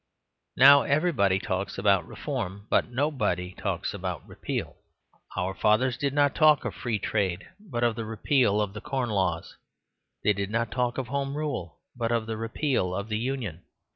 Now everybody talks about reform; but nobody talks about repeal. Our fathers did not talk of Free Trade, but of the Repeal of the Corn Laws. They did not talk of Home Rule, but of the Repeal of the Union.